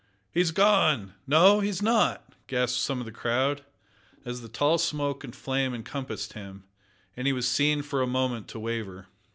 "He's gone! No, he's not!" gasped some of the crowd, as the tall smoke and flame encompassed him, and he was seen for a moment to waver.